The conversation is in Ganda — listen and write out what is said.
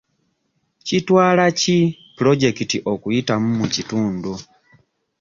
Kitwala ki pulojekiti okuyitamu mu kitundu?